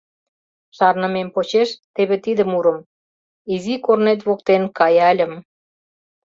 Шарнымем почеш, теве тиде мурым: «Изи корнет воктен каяльым...»